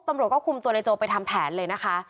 ตำรวจก็คุมตัวนายโจไปทำแผนเลยนะคะ